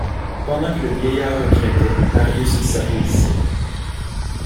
Pendant que le vieillard regrettait, Marius s’applaudissait.